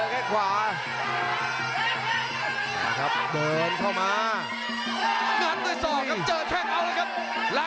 นะคะก็เพิ่งแขกขวา